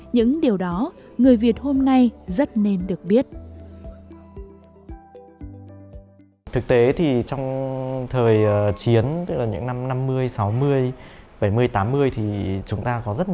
những điều đó người việt hôm nay rất nên được biết